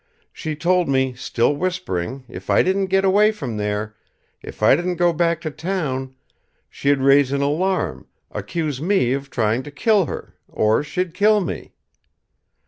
She told me, still whispering, if I didn't get away from there, if I didn't go back to town, she'd raise an alarm, accuse me of trying to kill her or she'd kill me.